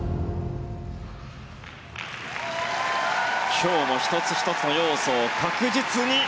今日も１つ１つの要素を確実に。